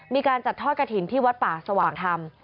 มีการจัดทอดกฐิลที่วัดป่าสว่างทำ